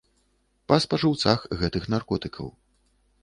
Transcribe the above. Па спажыўцах гэтых наркотыкаў.